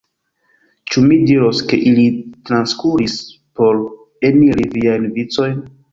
Ĉu mi diros, ke ili transkuris por eniri viajn vicojn?